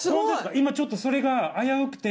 今ちょっとそれが危うくて。